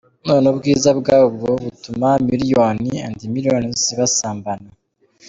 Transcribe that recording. None ubwiza bwabo butuma millions and millions basambana.